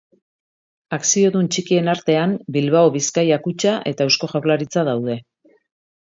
Akziodun txikien artean Bilbao Bizkaia Kutxa eta Eusko Jaurlaritza daude.